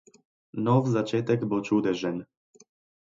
Nov začetek bo čudežen.